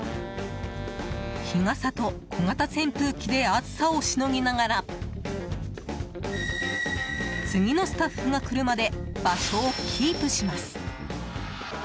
日傘と小型扇風機で暑さをしのぎながら次のスタッフが来るまで場所をキープします。